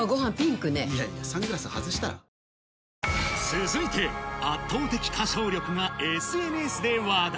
続いて、圧倒的歌唱力がＳＮＳで話題。